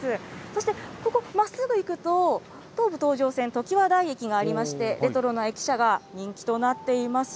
そして、ここ、まっすぐ行くと、東武東上線ときわ台駅がありまして、レトロな駅舎が人気となっています。